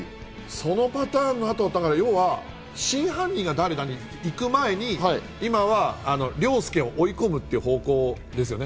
そのパターンの後、真犯人が誰かに行く前に、今は凌介を追い込むっていう方向ですよね。